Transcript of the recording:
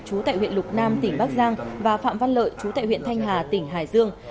chú tại huyện lục nam tỉnh bắc giang và phạm văn lợi chú tại huyện thanh hà tỉnh hải dương